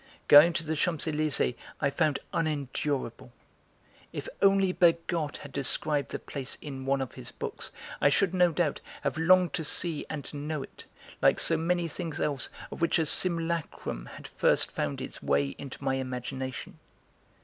Going to the Champs Elysées I found unendurable. If only Bergotte had described the place in one of his books, I should, no doubt, have longed to see and to know it, like so many things else of which a simulacrum had first found its way into my imagination.